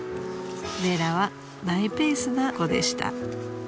［レラはマイペースな子でした］